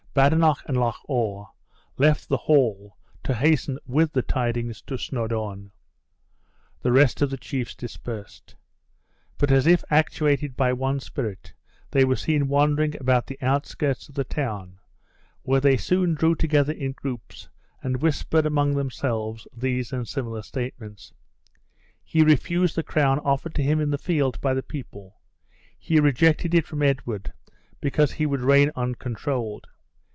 Badenoch and Loch awe left the hall, to hasten with the tidings to Snawdoun. The rest of the chiefs dispersed. But as if actuated by one spirit, they were seen wandering about the outskirts of the town, where they soon drew together in groups, and whispered among themselves these and similar statements: "He refused the crown offered to him in the field by the people; he rejected it from Edward, because he would reign uncontrolled.